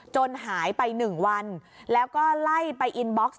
หายไป๑วันแล้วก็ไล่ไปอินบ็อกซ์